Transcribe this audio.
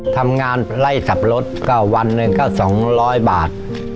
ทำงานไล่สับปะรดก็วันหนึ่งก็สองร้อยบาท